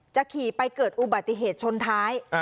ขี่ไปเกิดอุบัติเหตุชนท้าย